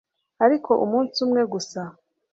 ariko umunsi umwe gusa